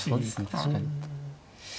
確かに。